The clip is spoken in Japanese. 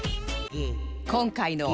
今回の